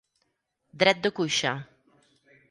Dret de cuixa.